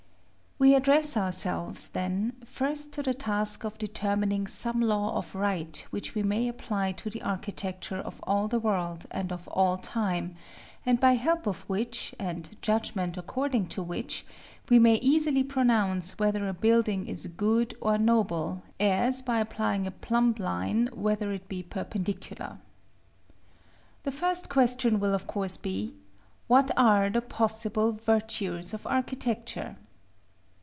We address ourselves, then, first to the task of determining some law of right which we may apply to the architecture of all the world and of all time; and by help of which, and judgment according to which, we may easily pronounce whether a building is good or noble, as, by applying a plumb line, whether it be perpendicular. The first question will of course be: What are the possible Virtues of architecture?